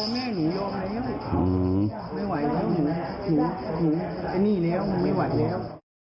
มันจะหนีแล้วมันไม่หวังแล้ว